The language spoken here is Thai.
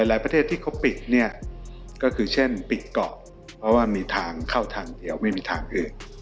ประเทศที่เขาปิดเนี่ยก็คือเช่นปิดเกาะเพราะว่ามีทางเข้าทางเดียวไม่มีทางอื่น